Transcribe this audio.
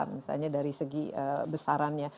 misalnya dari segi besarannya